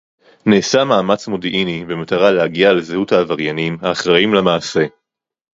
נעשה מאמץ מודיעיני במטרה להגיע לזהות העבריינים האחראים למעשה